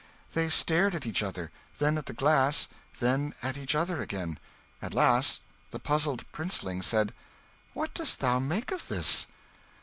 They stared at each other, then at the glass, then at each other again. At last the puzzled princeling said "What dost thou make of this?"